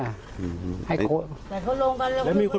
มีใครคนไปขอขอบควรบ้างไหมครับ